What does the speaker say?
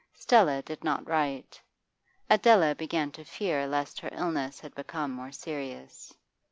Stella did not write; Adela began to fear lest her illness had become more serious.